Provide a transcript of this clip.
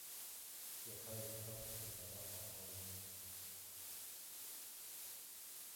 Иаҳа ихьшәашәахеит араҟа аҳауагьы.